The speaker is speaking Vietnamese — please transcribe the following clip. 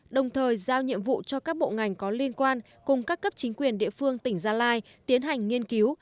đồng thời giao nhiệm vụ cho các bộ ngành có liên quan cùng các cấp chính quyền địa phương tỉnh gia lai tiến hành nghiên cứu